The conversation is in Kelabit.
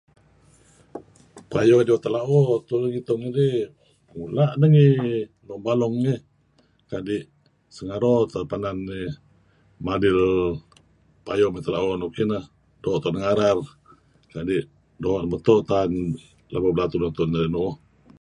Payo diweh tela'o, tulu narih ngitung idih mula' ideh ngi Long Balong ngih kadi' sengaro teh Penan eh madil payo mey tela'o nuk ineh doo' tu'en ngarar kadi' doo' meto' taan labo belatuh neh tu'en narih nu'uh.